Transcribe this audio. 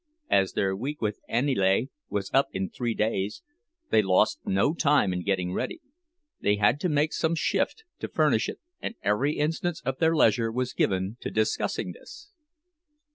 As their week with Aniele was up in three days, they lost no time in getting ready. They had to make some shift to furnish it, and every instant of their leisure was given to discussing this.